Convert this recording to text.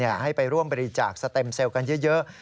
จะร่วมบริจาคสเต็มเซลกันเยอะ